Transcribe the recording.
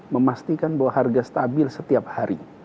memastikan bahwa harga stabil setiap hari